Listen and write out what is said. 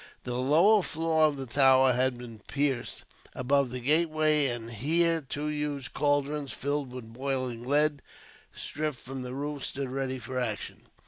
The lower floor of the tower had been pierced, above the gateway, and here two huge caldrons filled with boiling lead, stripped from the roof, stood ready for action.